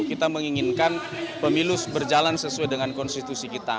kita menginginkan pemilu berjalan sesuai dengan konstitusi kita